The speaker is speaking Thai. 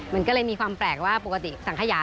มันก็เลยมีความแปลกว่าปกติสังขยา